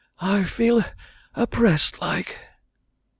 I feel oppressed, like."